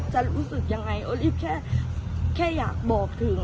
รู้สึกยังไงโอลี่แค่อยากบอกถึง